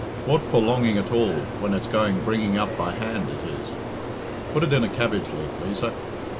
What for longing at all when it's going bringing up by hand it is? Put it in a cabbage leaf, Liza."